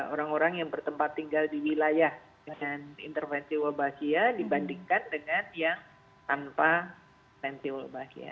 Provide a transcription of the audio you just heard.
orang orang yang bertempat tinggal di wilayah dengan intervensi wolbachia dibandingkan dengan yang tanpa pentilbachia